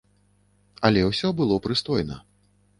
Але ўсё было прыстойна.